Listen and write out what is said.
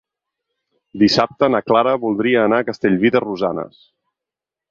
Dissabte na Clara voldria anar a Castellví de Rosanes.